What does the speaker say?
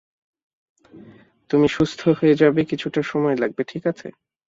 তুমি সুস্থ হয়ে যাবে কিছুটা সময় লাগবে, ঠিক আছে?